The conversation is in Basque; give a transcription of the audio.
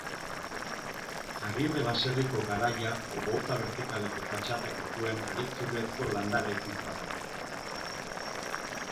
Agirre baserriko garaia oholtza bertikaleko fatxadak dituen haritz-zurezko landa-eraikuntza da.